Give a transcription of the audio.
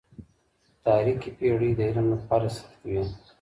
تاريکي پېړۍ د علم لپاره سختې وې.